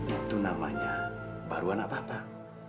itu namanya baru anak bapak